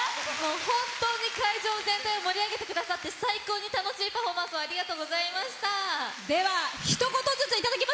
本当に会場全体を盛り上げてくださって最高に楽しいパフォーマンスをありがとうございました。